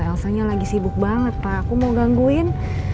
elsanya lagi sibuk banget pak aku mau gangguin